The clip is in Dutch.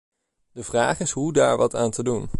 De vraag is hoe daar wat aan te doen.